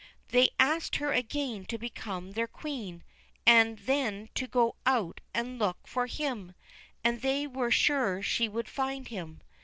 They asked her again to become their Queen and then to go out and look for him, and they were sure she would find him.